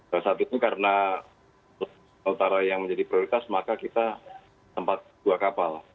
jadi saat ini karena natuna utara yang menjadi prioritas maka kita tempat dua kapal